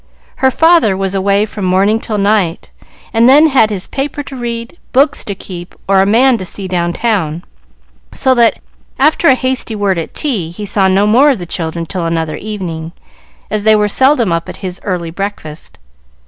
Her father was away from morning till night, and then had his paper to read, books to keep, or "a man to see down town," so that, after a hasty word at tea, he saw no more of the children till another evening, as they were seldom up at his early breakfast.